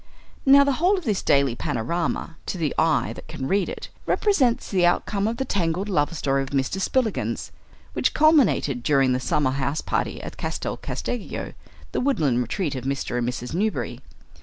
Now the whole of this daily panorama, to the eye that can read it, represents the outcome of the tangled love story of Mr. Spillikins, which culminated during the summer houseparty at Castel Casteggio, the woodland retreat of Mr. and Mrs. Newberry.